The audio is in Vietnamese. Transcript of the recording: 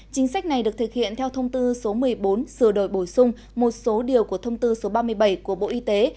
chính sách này được thực hiện theo thông tư số một mươi bốn sửa đổi bổ sung một số điều của thông tư số ba mươi bảy của bộ y tế